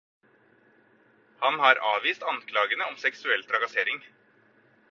Han har avvist anklagene om seksuell trakassering.